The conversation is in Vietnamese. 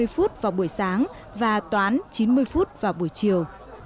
một trăm hai mươi phút vào buổi sáng và toán chín mươi phút vào buổi chiều